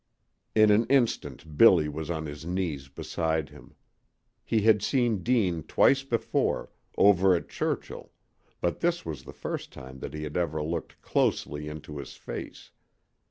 In an instant Billy was on his knees beside him. He had seen Deane twice before, over at Churchill, but this was the first time that he had ever looked closely into his face.